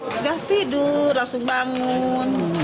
sudah tidur langsung bangun